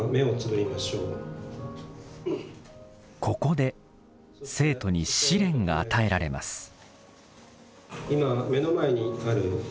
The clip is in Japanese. ここで生徒に試練が与えられます。